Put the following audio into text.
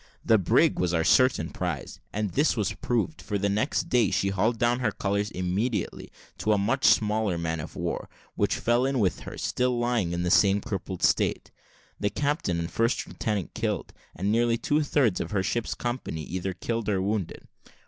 The brig was our certain prize; and this was proved, for the next day she hauled down her colours immediately to a much smaller man of war, which fell in with her, still lying in the same crippled state; the captain and first lieutenant killed, and nearly two thirds of her ship's company either killed or wounded.